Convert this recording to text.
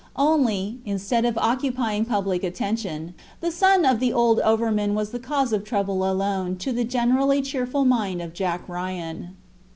Only, instead of occupying public attention, the son of the old overman was the cause of trouble alone to the generally cheerful mind of Jack Ryan.